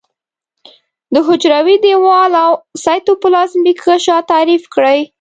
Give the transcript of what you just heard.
د حجروي دیوال او سایتوپلازمیک غشا تعریف کړي.